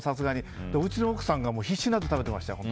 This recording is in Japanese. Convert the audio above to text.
うちの奥さんが必死になって食べてました。